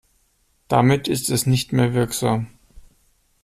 Damit ist es nicht mehr wirksam.